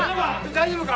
大丈夫か？